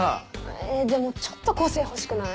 えでもちょっと個性欲しくない？